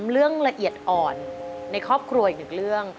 เรื่องละเอียดอ่อนในครอบครัวอีกหนึ่งเรื่อง